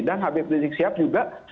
dan habib rizik siap juga ya